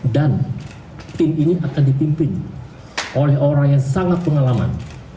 dan tim ini akan dipimpin oleh orang yang sangat pengalaman